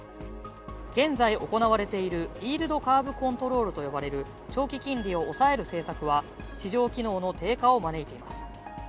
現在行われているイールドカーブコントロールと呼ばれる長期金利を抑える政策は市場機能の低下を招いています。